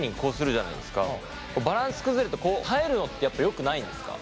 バランス崩れるとこう耐えるのってやっぱよくないんですか？